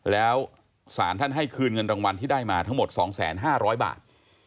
แล้วสารท่านให้คืนเงินรางวัลที่ได้มาทั้งหมดสองแสนห้าร้อยบาท